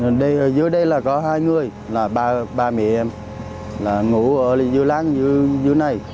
ở dưới đây là có hai người là ba mẹ em là ngủ ở dưới láng dưới này